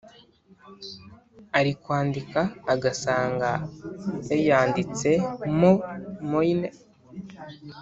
ari kwandika agasanga yayanditse mu moine